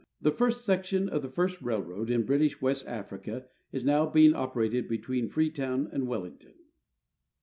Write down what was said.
The first section of the first raih'oad in British West Africa is now being operated between Freetown and Wellington.